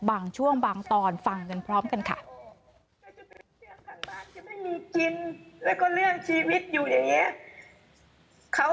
บางช่วงบางตอนฟังกันพร้อมกันค่ะ